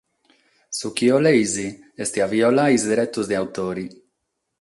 Su chi bolides est a violare is deretos de autore!